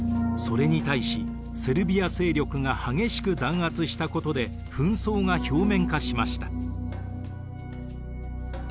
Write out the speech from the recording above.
それに対しセルビア勢力が激しく弾圧したことで紛争が表面化しました。